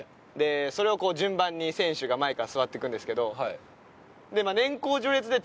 それをこう順番に選手が前から座っていくんですけど。